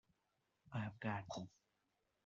I've got them!